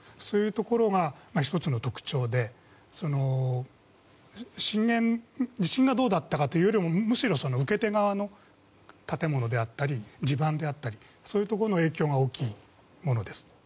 そういうところが１つの特徴で震源、地震がどうだったかというよりも、むしろ受け手側の建物であったり地盤であったりそういうところの影響が大きいものです。